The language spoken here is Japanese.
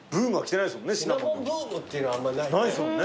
シナモンブームっていうのはあんまないよね。